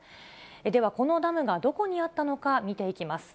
では、このダムがどこにあったのか見ていきます。